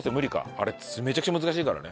あれめちゃくちゃ難しいからね。